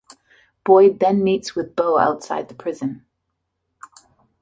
Boyd then meets with Bo outside the prison.